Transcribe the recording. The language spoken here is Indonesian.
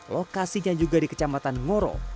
lokasinya juga di kecamatan ngoro